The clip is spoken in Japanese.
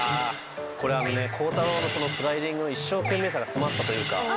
これ幸太郎のスライディングの一生懸命さが詰まったというか。